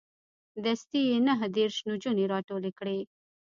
دستې یې نه دېرش نجونې راټولې کړې.